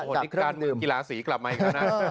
โดยการกุญกิลาสีกลับมาอีกแล้วนะ